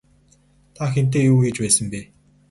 Та хэнтэй юу хийж байсан бэ?